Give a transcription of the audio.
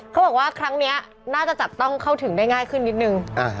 เขาบอกว่าครั้งนี้น่าจะจับต้องเข้าถึงได้ง่ายขึ้นนิดนึง